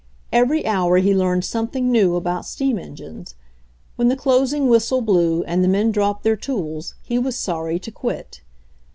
Every hour he learned something new about steam engines. When the closing whistle blew and the men dropped their tools he was sorry to quit.